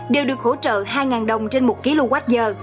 đều được hỗ trợ hai đồng trên một kw giờ